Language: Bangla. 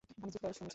আমি চিৎকার শুনেছি।